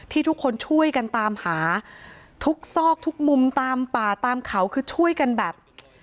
ทุกคนช่วยกันตามหาทุกซอกทุกมุมตามป่าตามเขาคือช่วยกันแบบ